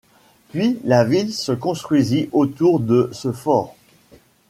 Puis la ville se construisit autour de ce fort.